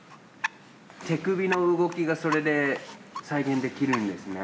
手首の動きがそれで再現できるんですね。